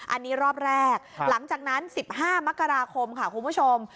อันนี้รอบแรกหลังจากนั้น๑๕มกราคมค่ะคุณผู้ชม